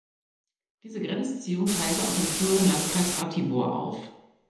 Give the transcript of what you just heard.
Diese Grenzziehung teilte auch den früheren Landkreis Ratibor auf.